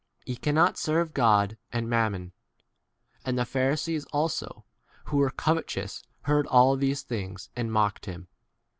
Ye cannot serve God and mammon. 14 And the Pharisees also, who were covetous, heard all these things, 15 and mocked him.